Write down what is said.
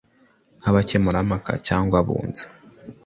nk abakemurampaka cyangwa abunzi